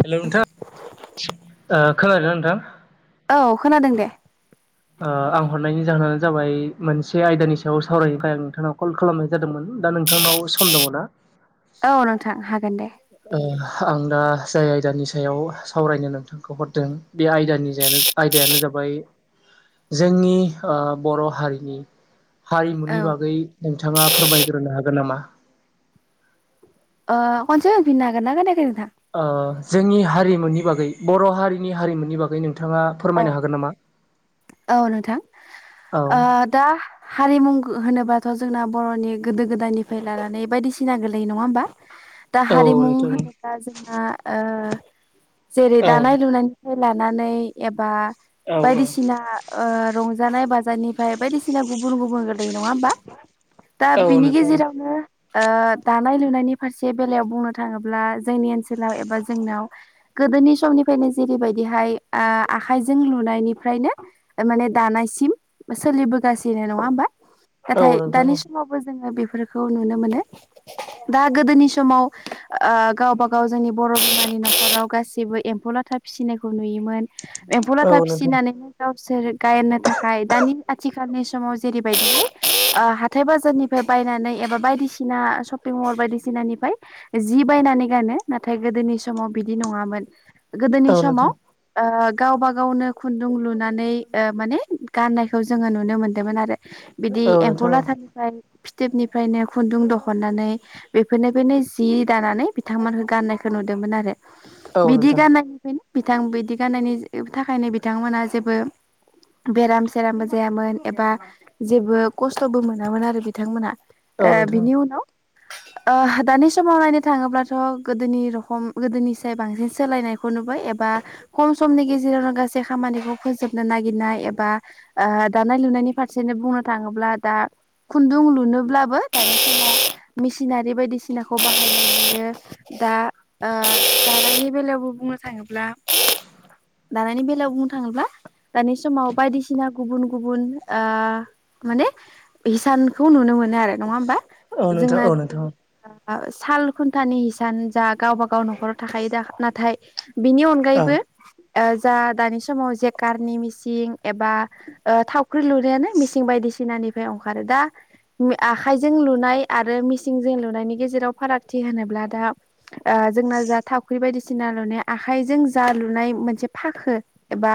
हेल' नोंथां खोनादों नोंथां- औ खोनादों दे- आं हरनायनि जाहोनानो जाबाय मोनसे आयदानि सायाव सावरायफ्राय आं नोंथाङा कल खालामनाय- जादोंमोन दा नोंथांनाव सम दंङ ना- औ नोंथां हागोन दे- आं दा जाय आयदानि सायाव सावरायनो नोंथांखौ हरदों बे आयदानि जायानो- आयदायानो जाबाय जोंनि बर' हारिनि- औ हारिमुनि बागै नोंथाङा फोरमायग्रोनो हागोन नामा- अ खनसे बायना गानायदों ना खानानै नोंथां- जोंनि हारिमुनि बागै बर' हारिनि हारिमुनि बागै नोंथाङा- औ फोरमायनो हागोन नामा- औ नोंथां औ दा- हारिमु होनोबाथ' जोंना बर'नि गोदो गोदायनिफ्राय लानानै बायदिसिना गोलै नङा होमबा- दा औ हारिमु नोंथां होनोब्ला जोंना जेरै औ दानाय लुनायनि- लानानै एबा औ बायदिसिना- औ ना रंजानाय बाजानिफ्राय बायदिसिना गुबुन गुबुन गोरलै नंङा होमबा- दा औ बिनि नोंथां गेजेरावनो ओ दानाय लुनायनि फारसे बेलायाव बुंनो थाङोब्ला जोंनि ओनसोलाव एबा जोंनाव गोदोनि समनिफ्रायनो जेरैबायदिहाय आखाइजों लुनायनिफ्रायनो- माने दानायसिम सोलिबोगासिनो नङा होमबा औ नाथाय नोंथां दानि औ समाव- बो जोंङो बेफोरखौ नुनो मोनो- दा गोदोनि समाव गावबा गाव जोंनि बर' बिमानि न'खराव गासिबो एम्फौ लाथा फिसिनायखौ नुयोमोन एम्फौ औ लाथा नोंथां फिसिनानै गावसोर गायनो थाखाय दानि आथिखालनि समाव जेरैबायदि हाथाइ बाजारनिफ्राय बायनानै एबा बायदिसिना शपिं मल बायदिसिनानिफ्राय- जि बायनानै गानो नाथाय गोदोनि समाव बिदि नङामोन- गोदोनि औ नोंथां समाव गावबा गावनो खुन्दुं लुनानै गानायखौ जोंङो नुनो मोनदोंमोन आरो बिदि औ एम्फौ नोंथां लाथा- ओमफ्राय फिथोबनिफ्रायनो खुन्दुं दिहुननानै - बेफोरनिफ्रायनो जि दानानै बिथांमोनखौ गाननायखौ नुदोंमोन आरो- औ बिदि नोंथां गाननायखनो बिथां बिदि गाननायनि थाखायनो बिथांमोनहा जेबो- बेराम सेरामबो जायामोन एबा जेबो खस्थ'बो मोनामोन आरो बिथांमोनहा- औ ओ नोंथां बिनि उनाव- दानि समाव नायनो थाङोब्लाथ' गोदोनि रखम गोदोनि साय बांसिन सोलायनायखौ नुबाय एबा- खम समनि गेजेरावनो गासै खामानिखौ- फोजोबनो नागिरनाय एबा दानाय लुनायनि फारसेनो बुंनो थांङोब्ला दा- खुन्दुं लुनोब्लाबो [unintelligible] हायो दा ओ दानायनि बेलायावबो बुंनो थाङोब्ला दानायनि बेलायाव बुंनो थाङोब्ला दानि समाव बायदिसिना गुबुन गुबुन ओ माने हिसानखौ नुनो मोनो आरो, नङा होमबा औ नोंथां जोंना औ नोंथां साल खुन्थानि हिसान जा गावबागाव न'खराव थाखायो दा नाथाय बिनि अन औ अनगायैबो जा दानि समाव जे कारनि मिसिं एबा थावख्रि लुनायानो मिसिं बायदिसिनानिफ्राय ओंखारो दा, आखाइजों लुनाय आरो मिसिंजों लुनायनि गेजेराव फारागथि होनोब्ला दा जोंना जा थावख्रि बायदिसिना बसिना लुनाय आखाइजों जा लुनाय मोनसे फाखो एबा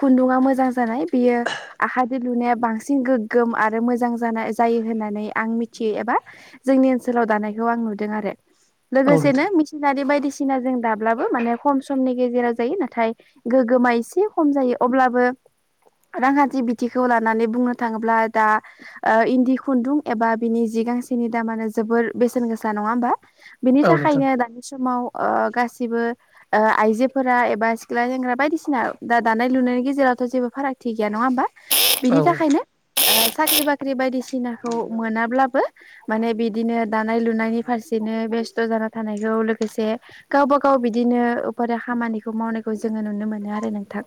खुन्दुङा मोजां जानाय बियो आखायदो लुनाया बांसिन गोग्गोम आरो मोजां जानाय जायो होननानै आं मिथियो एबा जोंनि ओनसोलाव दानायखौ आं नुदों आरो औ लोगोसेनो नोंथां सिनारि बायदिसिना जों दाब्लाबो माने खम समनि गेजेराव जायो नाथाय गोगोमा एसे खम जायो अब्लाबो रांखान्थि बिथिंखौ लानानै बुंनो थाङोब्ला दा इन्दि खुन्दुं एबा बिनि जि गांसेनि दामानो जोबोर बेसेन गोसा नङा होमबा बिनि औ नोंथां थाखायनो दानि समाव गासिबो आइजोफोरा एबा सिख्ला सेंग्रा बायदिसिना दा दानाय लुनायनि गेजेरावथ' जेबो फारागथि गैया नङा होमबा, औ बिनि थाखायनो साख्रि बाख्रि बायदिसिनाखौ मोनाब्लाबो माने बिदिनो दानाय लुनायनि फारसेनो बेस्थ' जाना थानायखौ लोगोसे गावबा गाव बिदिनो अपारे खामानिखौ मावनायखौ जोङो नुनो मोनो आरो नोंथां।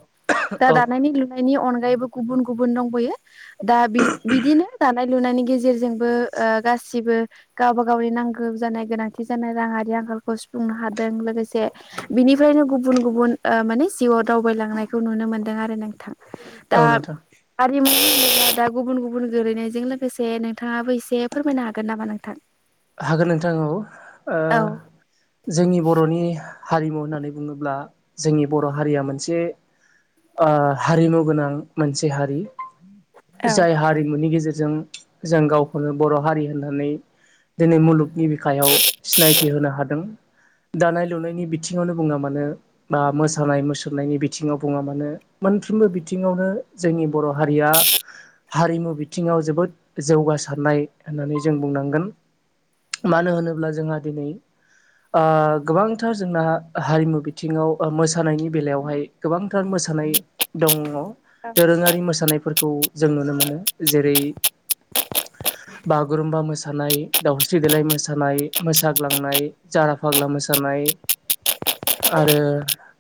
दा औ दानायनि लुनायनि अनगायैबो गुबुन गुबुन दंबयो। दा बि बिदिनो दानाय लुनायनि गेजेरजोंबो गासिबो गावबा गावनि नांगौ जानाय गोनांथि जानाय राङारि आंखालखौ सुफुंनो हादों लोगोसे बिनिफ्रायनो गुबुन गुबुन माने जिउआव दावबायलांनाय बेखौ नुनो मोन्दों आरो नोंथां‌ दा औ नोंथां आरिमु दा गुबुन-गुबुन गोलैनायजों लोगोसे नोंथाङाबो एसे फोरमायनो हागोन नामा नोंथां? हागोन नोंथां औ। औ जोंनि बर'नि हारिमु होननानै बुङोब्ला जोंनि बर' हारिया मोनसे हारिमु गोनां मोनसे हारि। औ जाय हारिमुनि गेजेरजों जों गावखौनो बर' हारि होननानै दिनै मुलुगनि बिखायाव सिनायथि होनो हादों दानाय लुनायनि बिथिङावनो बुङा मानो बा मोसानाय मुसुरनायनि बिथिङाव बुङा मानो मोनफ्रोमबो बिथिङावनो जोंनि बर' हारिया हारिमु बिथिङाव जोबोद जौगासारनाय होननानै जों बुंनांगोन। मानो होनोब्ला जोंहा दिनै ओ गोबांथार जोंना हारिमु बिथिङाव मोसानायनि बेलायावहाय गोबांथार मोसानाय दङ औ दोरोङारि मोसानायफोरखौ जों नुनो मोनो जेरै बागुरुमबा मोसानाय दावस्रि देेलाय मोसानाय मोसाग्लांनाय जारा फाग्ला मोसानाय आरो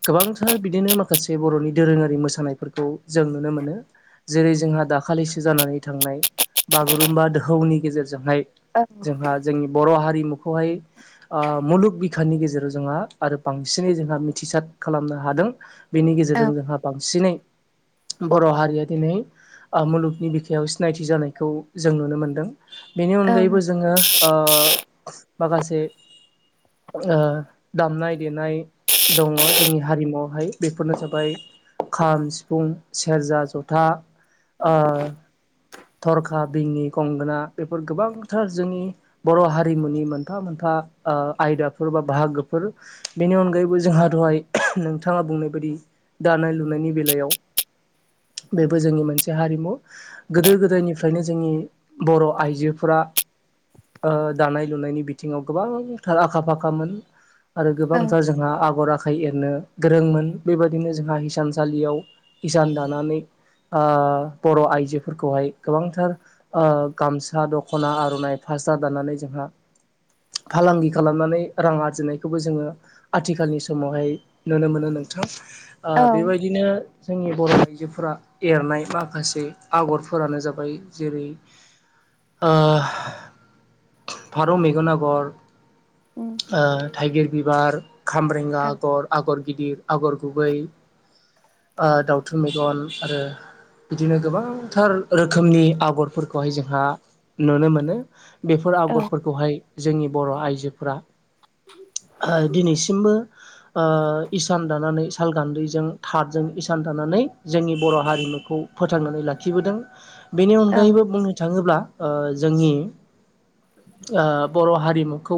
गोबांथार बिदिनो माखासे बर'नि दोरोङारि मोसानायफोरखौ जों नुनो मोनो‌ जेरै जोंहा दाखालिसो जानानै थांनाय बागुरुम्बा दोहौनि गेजेरजोंहाय जोंहा जोंनि बर' हारिमुखौहाय ओ मुलुग बिखानि गेजेराव जोंहा आरो बांसिनै जोंहा मिथिसार खालामनो हादों। बेनि औ गेजेरजों जोंहा बांसिनै बर' हारिया दिनै मुलुगनि बिखायाव सिनायथि जानायखौ जों नुनो मोन्दों। बेनि अनगायैबो जोङो ओ माखासे ओ दामनाय देनाय। दङ जोंनि हारिमुवआवहाय बेफोरनो जाबाय खाम सिफुं सेरजा जथा ओ थरखा बिनि गंगोना बेफोर गोबांथार जोंनि बर' हारिमुनि मोनफा मोनफा ओ आयदाफोर बा बाहागोफोर। बेनि अनगायैबो जोंहा दहाय नोंथाङा बुंनाय बायदि दानाय लुनायनि बेलायाव बेबो जोंनि मोनसे हारिमु। गोदो गोदायनिफ्रायनो जोंनि बर' आइजोफोरा ओ दानाय लुनायनि बिथिङाव गोबांथार आखा फाखामोन आरो औ गोबांथार जों जोंहा आगर आखाइ एरनो गोरोंमोन बेबायदिनो जोंहा हिसानसालियाव हिसान दानानै ओ बर' आइजोफोरखौहाय गोबांथार गामसा दख'ना आर' नाय फास्रा दानानै जोंहा फालांगि खालामनानै रां आरजिनायखौबो जोङो आथिखालनि समावहाय नुनो मोनो नों थां औ बेबायदिनो जोंनि बर' आइजोफोरा एरनाय माखासे आगरफोरानो जाबाय जेरै ओ फारौ मेगन आगर उम ओ थाइगिर बिबार खामब्रेंगा औ आगर आगर गिदिर आगर गुबै ओ दावथु मेगन आरो बिदिनो गोबांथार रोखोमनि आगरफोरखौहाय जोंहा नुनो मोनो। बेफोर औ आगरफोरखौहाय जोंनि बर' आइजोफोरा ओ दिनैसिमबो ओ इसान दानानै साल गान्दैजों थादजों इसान थानानै जोंनि बर' हारिमुखौ फोथांनानै लाखिबोदों। बेनि औ अनगायैबो बुंनो थाङोब्ला ओ जोंनि ओ बर' हारिमुखौ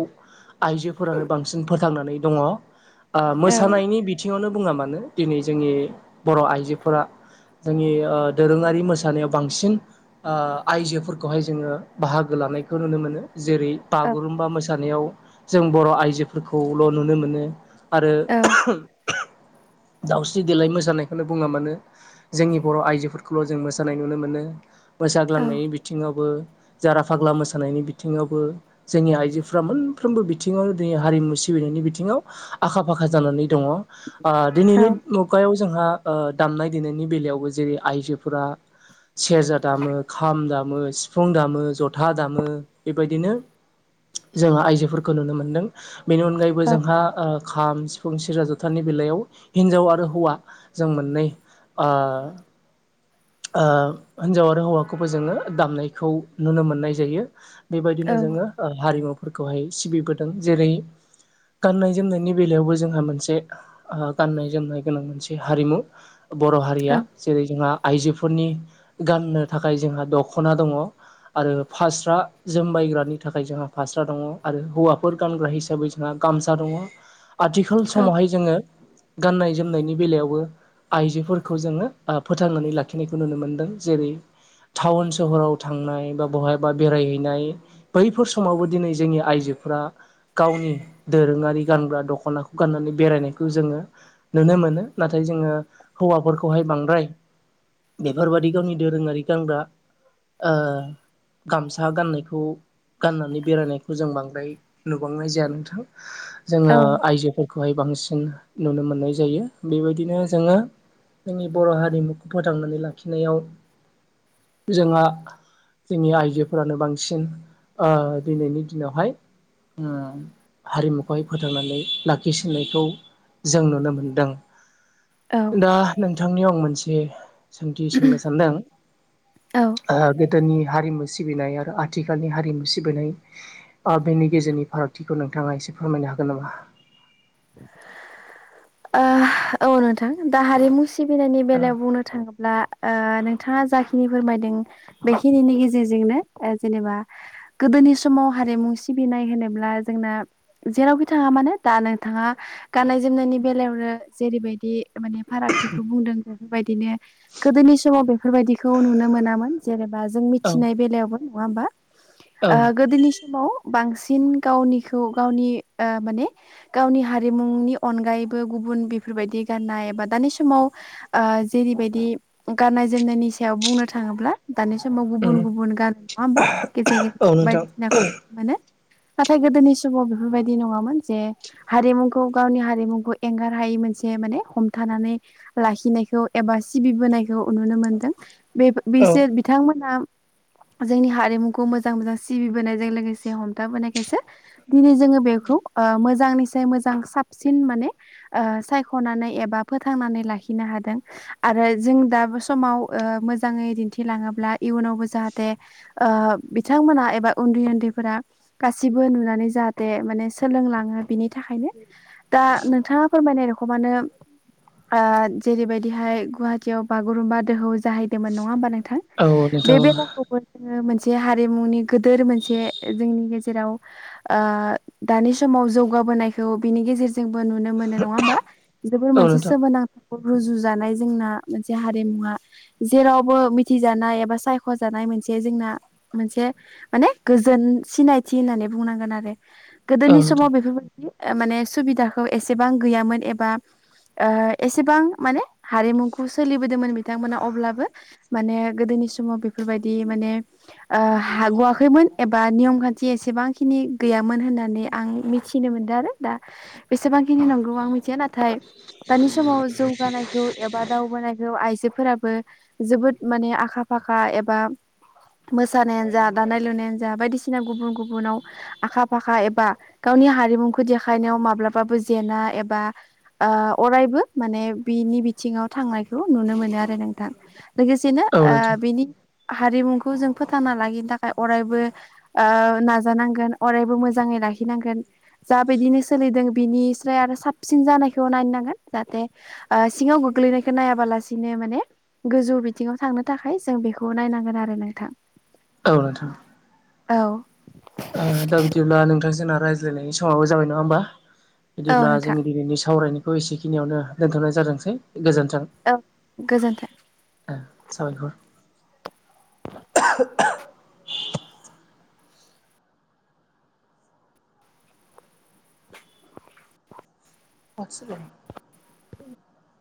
आइजोफोरानो बांसिन फोथांनानै दङ। ओ औ मोसानायनि बिथिङावनो बुङा मानो दिनै जोंनि बर' आइजोफोरा जोंनि ओ दोरोङारि मोसानायाव बांसिन ओ आइजोफोरखौहाय जोङो बाहागो लानायखौ नुनो मोनो। जेरै औ बागुरुम्बा मोसानायाव जों बर' आइजोफोरखौल' नुनो मोनो आरो औ। दावस्रि देलाय मोसानायखौनो बुङा मानो जोंनि बर' आइजोफोरखौल' जों मोसानाय नुनो मोनो। मोसाग्लांनायनि बिथिङावबो जारा फाग्ला मोसानायनि बिथिङावबो। जोंनि आइजोफ्रा मोनफ्रोमबो बिथिङावनो दिनै हारिमु सिबिनायनि बिथिङाव आखा-फाखा जानानै दङ ओ औ दिनैनि मुगायाव जोंहा ओ दामनाय देनायनि बेलायावबो जेरै आइजोफोरा सेरजा दामो खाम दामो सिफुं दामो जथा दामो। बेबायदिनो जोङो आइजोफोरखौ नुनो मोन्दों। बेनि अनगायैबो जोंहा ओ खाम सिफुं सिरा जथानि बेलायाव हिनजाव आरो हौवा जों मोननै ओ ओ हिन्जाव आरो हौवाखौबो जोङो दामनायखौ नुनो मोननाय जायो। बेबायदिनो जोङो ओ हारिमुफोरखौहाय सिबिबोदों जेरै गाननाय-जोमनायनि बेलायावबो जोंहा मोनसे ओ गाननाय-जोमनाय गोनां मोनसे हारिमु बर' हारिया जेरै जोंहा आइजोफोरनि गाननो थाखाय जोंहा दख'ना दङ। आरो फास्रा जोमबायग्रानि थाखाय जोंहा फास्रा दङ आरो हौवाफोर गानग्रा हिसाबै जों जों गामसा दङ आथिखाल समावहाय जोङो गाननाय जोमनायनि बेलायावबो आइजोफोरखौ जोङो फोथांनानै लाखिनायखौ नुनो मोनदों जेरै टाउन सहराव थांनाय बा बहायाबा बेरायहैनाय बैफोर समावबो दिनै जोंनि आइजोफ गावनि दोरोङारि गानग्रा दख'नाखौ गाननानै बेरायनायखौ जोङो नुनो मोनो नाथाय जोङो हौवाफोरखौहाय बांद्राय बेफोरबादि गावनि दोरोङारि गानग्रा गामसा गाननायखौ गाननानै बेरायनायखौ जों बांद्राय नुबांनाय जाया नोंथां जोङो आयजोफोरखौहाय बांसिन नुनो मोननाय जायो बेबायदिनो जोङो जोंनि बर' हारिमुखौ फोथांनानै लाखिनायाव जोंहा जोंनि आइजोफोरानो बांसिन दिनैनि दिनावहाय हारिमुखौहाय फोथांनानै लाखिसिननायखौ जों नुनो मोनो दां औ दा नोंथांनियाव आं मोनसे सोंथि सोंनो सानदों गोदोनि हारिमु सिबिनाय आरो आथिखालनि हारिमु सिबिनाय आ बेनि गेजेरनि फारागथिखौ नोंथाङा एसे फोरमायनो हागोन नामा। ओ औ नोंथां दा हारिमु सिबिनायनि बेलायाव बुंनो थाङोब्ला ओ नोंथाङा जाखिनि फोरमायदों बेखिनिनि गेजेरजोंनो ओ जेनेबा गोदोनि समाव हारिमु सिबिनाय होनोब्ला जोंना जेरावखि थाङा मानो दा नोंथाङा गाननाय जोमनायनि बेलायावनो जेरैबायदि माने फाराथिखौ बुंदों बेफोरबायदिनो गोदोनि समाव बेफोरबायदिखौ नुनो मोनामोन जेनेबा जों औ मिथिनाय बेलायावबो। नङा होमबा औ ओ गोदोनि समाव बांसिन गावनिखौ गावनि ओ माने गावनि हारिमुनि अनगायैबो गुबुन बेफोरबायदि गाननाय एबा दानि समाव ओ जेरैबायदि गाननाय जोमनायनि सायाव बुंनो थाङोब्ला दानि समाव गुबुन उम गुबुन गान नङा होमबा गेजेर गेर औ नोंथां बायदिसिना मोनो नाथाय गोदोनि समाव बेफोरबायदि नङामोन जे हारिमुखौ गावनि हारिमुखौ एंगार हायै मोनसे माने हमथानानै लाखिनायखौ एबा सिबिबोनायखौ नुनो मोनदों बे औ बिसोर बिथांमोना जोंनि हारिमुखौ मोजां मोजां सिबिबोनायजों लोगोसे हमथाबोनायखायसो दिनै जोङो बेखौ ओ मोजांनिस मोजां साबसिन माने ओ सायख'नानै एबा फोथांनानै लाखिनो हादों। आरो जों दा समाव औ मोजाङै दिन्थिलाङोब्ला इयुनावबो जाहाथे ओ बिथांमोना एबा उन्दै उन्दैफोरा गासिबो नुनानै जाहाथे माने सोलोंलाङो बिनि थाखायनो दा नोथाङा फोरमायनाय दख' मानो ओ जेरैबायदिहाय गुवाहाटीयाव बागुरुमबा दोहौ जाहैदोंमोन नङा होमबा नोंथां। औ बे नोंथां बेलाखौबो जोङो मोनसे हारिमुनि गोदोर मोनसे जोंनि गेजेराव ओ दानि समाव जौगाबोनायखौ बिनि गेजेरजोंबो नुनो मोनो नङा होमबा जोबोर औ मोनसे नोंथां सोमोनांथ रुजु जानाय जोंना मोनसे हारिमुवा जेरावबो मिथिजानाय एबा सायख'जानाय मोनसे जोंना मोनसे माने गोजोन सिनायथि होननानै बुंनांगोन आरो। औ नोंथां औ गोदोनि समाव बेफोरबायदि माने सुबिदाखौ एसेबां गैयामोन एबा ओ एसेबां माने हारिमुखौ सोलिबोदोंमोन बिथांमोना अब्लाबो माने गोदोनि समाव बेफोरबायदि माने ओ हाग'आाखैमोन एबा नियम खान्थि एसेबांखिनि गैयामोन होननानै आं मि थिनो मोनदों आरो दा खिनि नंगौ आं मिथिया नाथाय दानि समाव जौगानायखौ एबा दावबानायखौ आइजोफोराबो जोबोद माने आखा फाखा एबा मोसानायानो जा दानाय लुनायानो जा बायदिसिना गुबुन गुबुनाव आखा फाखा एबा गावनि हारिमुखौ देखायनायाव माब्लाबाबो जेना एबा ओ अरायबो माने बिनि बिथिङाव थांनायखौ नुनो मोनो आरो नोंथां। लोगोसेनो ओ नोंथां बिनि हारिमुखौ जों फोथांना लागिनो थाखाय अरायबो ओ नाजानांगोन अरायबो मोजाङै लाखिनांगोन जा बिायदिनो सोलिदों बिनि फ्राय आरो साबसिन जानायखौ नायनांगोन जाहाथे ओ सिङाव गोग्लैनायखौ नायाबालासिनो माने गोजौ बिथिङाव थांनो थाखाय जों बेखौ नायनांगोन आरो नोंथां। औ नोंथां। औ दा बिदिब्ला नोंथांजोंना रायज्लायनायनि समावबो जाबाय नङा होमबा औ बिदिब्ला नोंथां जोंनि दिनैनि सावरायनायखौ एसेखिनियावनो दोनथ'नाय जादोंसै गोजोन्थों औ गोजोन्थों साबायखर बस्र